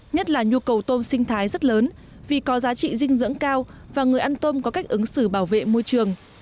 nhất là nhu cầu tôm sinh thái rất lớn vì có giá trị dinh dưỡng cao và người ăn tôm có cách ứng xử bảo vệ môi trường